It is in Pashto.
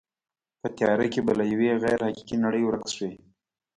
په تیاره کې به له یوې غیر حقیقي نړۍ ورک شوې.